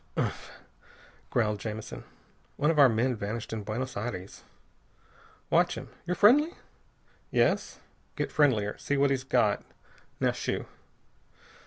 "Umph," growled Jamison. "One of our men vanished in Buenos Aires. Watch him. You're friendly?" "Yes." "Get friendlier. See what he's got. Now shoo."